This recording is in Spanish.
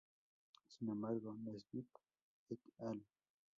Sin embargo, Nesbitt "et al.